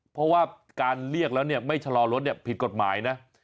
เพราะว่าการเรียกแล้วเนี่ยไม่ชะลอรถผิดกฎหมายนะ